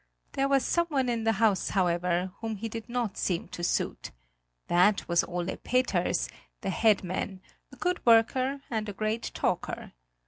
There was someone in the house, however, whom he did not seem to suit; that was Ole Peters, the head man, a good worker and a great talker.